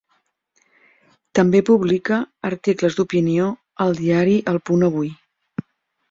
També publica articles d'opinió al diari El Punt Avui.